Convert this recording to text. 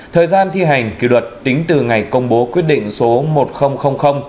thời gian thi hành kỷ luật tính từ ngày công bố quyết định số một nghìn